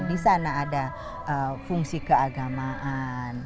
di sana ada fungsi keagamaan